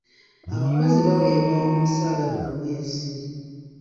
Abakozi baweebwa omusala buli mwezi.